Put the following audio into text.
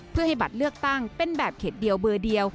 เพื่อให้บัตรเลือกตั้งเป็นแบบเขตเดียวเบอร์เดียว